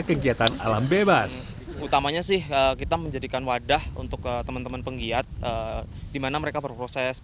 kegiatan alam bebas